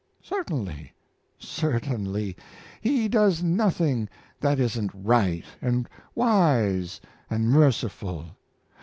"Certainly, certainly. He does nothing that isn't right and wise and merciful.